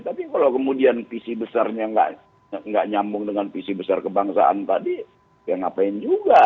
tapi kalau kemudian visi besarnya nggak nyambung dengan visi besar kebangsaan tadi ya ngapain juga